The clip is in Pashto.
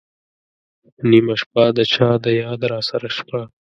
نېمه شپه ، د چا د یاد راسره شپه